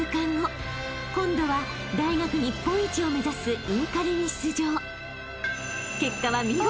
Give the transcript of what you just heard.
［今度は大学日本一を目指すインカレに出場］［結果は見事］